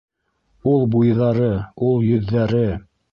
Ул буйҙары, ул йөҙҙәре!